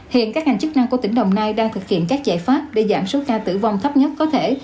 hiện các ngành chức năng của tỉnh đồng nai đang thực hiện các giải pháp để giảm số ca tử vong thấp nhất có thể